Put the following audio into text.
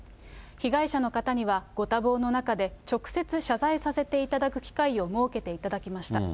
被害者の方には、ご多忙の中で、直接謝罪させていただく機会を設けていただきました。